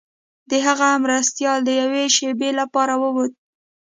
د هغه مرستیال د یوې شیبې لپاره ووت.